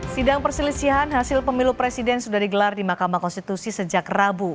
sidang perselisihan hasil pemilu presiden sudah digelar di mahkamah konstitusi sejak rabu